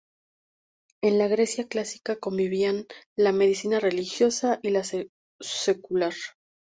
En la Grecia clásica convivían la medicina religiosa y la secular.